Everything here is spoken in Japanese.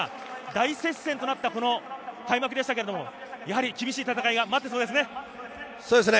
大接戦となった開幕でしたけれども、厳しい戦いが待っていそうですね。